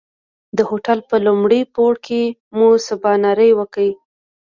د هوټل په لومړي پوړ کې مو سباناری وکړ.